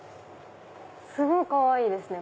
すごいかわいいですね！